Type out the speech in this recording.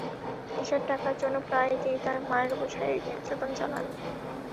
নেশার টাকার জন্য প্রায়ই তিনি তাঁর মায়ের ওপর শারীরিক নির্যাতন চালান।